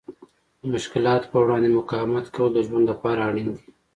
د مشکلاتو په وړاندې مقاومت کول د ژوند لپاره اړین دي.